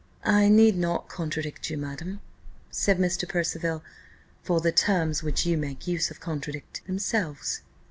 "I need not contradict you, madam," said Mr. Percival, "for the terms which you make use of contradict themselves."